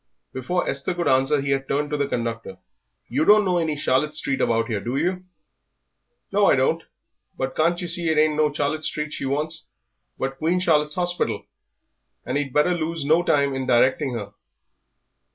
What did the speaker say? Before Esther could answer he had turned to the conductor. "You don't know any Charlotte Street about here, do you?" "No, I don't. But can't yer see that it ain't no Charlotte Street she wants, but Queen Charlotte's Hospital? And ye'd better lose no time in directing her."